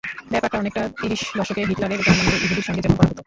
ব্যাপারটা অনেকটা তিরিশ দশকে হিটলারের জার্মানিতে ইহুদিদের সঙ্গে যেমন করা হতো।